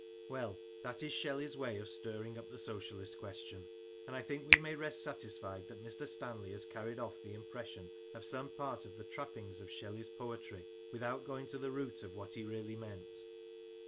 Well, that is Shelley's way of stirring up the Socialist question ; and I think we may rest satisfied that Mr. Stanley has carried off the impression of some part of the trappings of Shelley's poetry without going to the root of what he really meant.